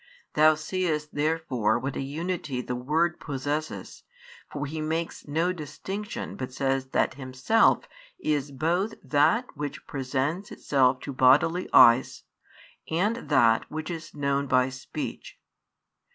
Thou seest therefore what a unity the Word possesses; for He makes no distinction but says that Himself is both that which presents itself to bodily eyes, and that which is known by speech.